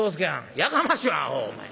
「やかましいわアホお前。